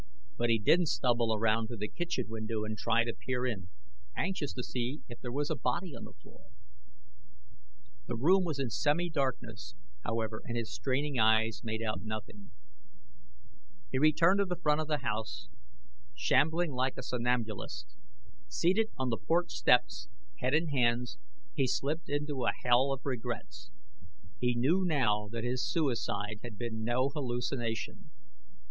But he did stumble around to the kitchen window and try to peer in, anxious to see if there was a body on the floor. The room was in semi darkness, however, and his straining eyes made out nothing. He returned to the front of the house, shambling like a somnambulist. Seated on the porch steps, head in hands, he slipped into a hell of regrets. He knew now that his suicide had been no hallucination.